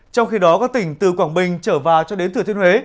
trong khi đó các tỉnh từ quảng bình trở vào cho đến thừa thiên huế